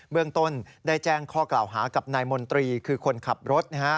เรื่องต้นได้แจ้งข้อกล่าวหากับนายมนตรีคือคนขับรถ